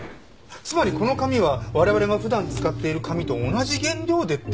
つまりこの紙は我々が普段使っている紙と同じ原料でできてる？